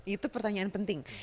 itu pertanyaan penting